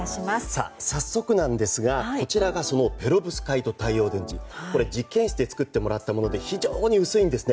早速ですがこちらがペロブスカイト太陽電池実験室で作ってもらったもので非常に薄いんです。